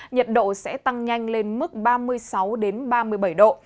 nhiệt độ sẽ tăng nhanh lên mức ba mươi sáu ba mươi bảy độ